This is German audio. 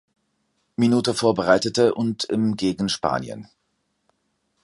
Minute vorbereitete, und im gegen Spanien.